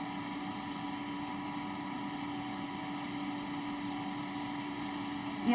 ya memang presiden jokowi sudah tiba